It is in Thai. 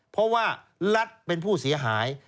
เพราะว่ารัฐเป็นผู้เสียหาย